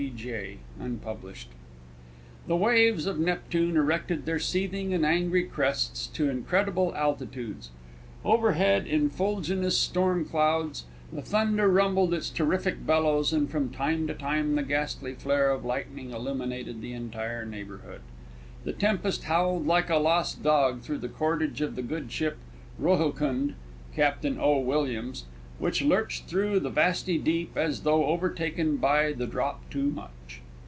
B. J. (unpublished)._ The waves of Neptune erected their seething and angry crests to incredible altitudes; overhead in fuliginous storm clouds the thunder rumbled its terrific bellows, and from time to time the ghastly flare of lightning illuminated the entire neighbourhood. The tempest howled like a lost dog through the cordage of the good ship Rohilkund (Captain O. Williams), which lurched through the vasty deep as though overtaken by the drop too much.